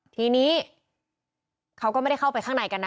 ทีนี้เขาก็ไม่ได้เข้าไปข้างในกันนะ